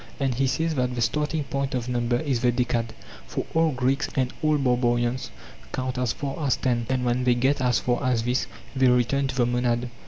And he says that the starting point of number is the decad; for all Greeks and all barbarians count as far as ten, and when they get as far as this they return to the monad.